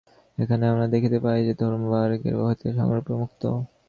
এখানে আমরা দেখিতে পাই যে, ধর্ম বাহ্য ক্রিয়াকলাপ হইতে সম্পূর্ণরূপে মুক্ত।